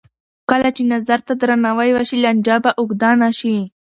کله چې نظر ته درناوی وشي، لانجه به اوږده نه شي.